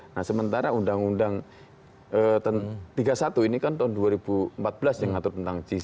nah sementara undang undang tiga puluh satu ini kan tahun dua ribu empat belas yang ngatur tentang jis